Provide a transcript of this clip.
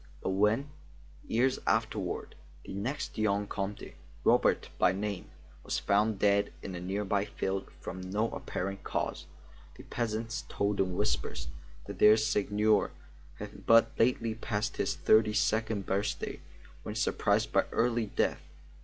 But when, years afterward, the next young Comte, Robert by name, was found dead in a nearby field from no apparent cause, the peasants told in whispers that their seigneur had but lately passed his thirty second birthday when surprised by early death.